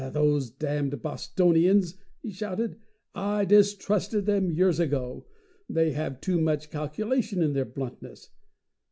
"Those damned Bostonians!" he shouted. "I distrusted them years ago. They have too much calculation in their bluntness.